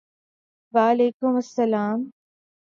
وعلیکم السلام ！